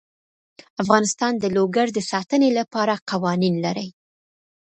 افغانستان د لوگر د ساتنې لپاره قوانین لري.